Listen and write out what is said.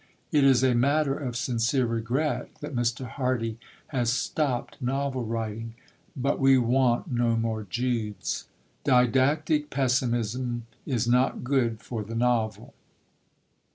It is a matter of sincere regret that Mr. Hardy has stopped novel writing, but we want no more Judes. Didactic pessimism is not good for the novel.